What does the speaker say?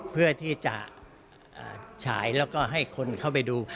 เพื่อที่จะฉายแล้วก็ให้คนเข้าไปดู